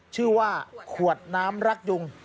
ชื่อว่าขวดน้ำรักยุง